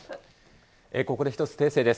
ここで１つ訂正です。